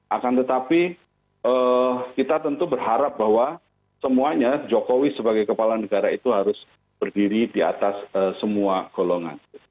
akan tetapi kita tentu berharap bahwa semuanya jokowi sebagai kepala negara itu harus berdiri di atas semua golongan